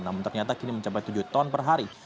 namun ternyata kini mencapai tujuh ton per hari